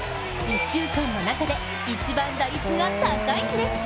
１週間の中で、一番打率が高いんです。